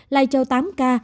lai châu tám ca